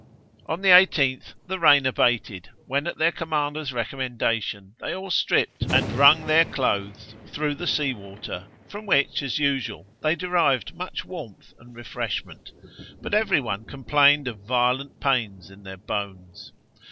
On the 18th the rain abated, when, at their commander's recommendation, they all stripped and wrung their clothes through the sea water, from which, as usual, they derived much warmth and refreshment; but every one complained of violent pains in their bones.